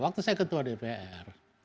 waktu saya ketua dpr